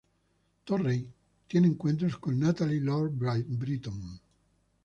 Torrey, tiene encuentros con Nathaniel Lord Britton.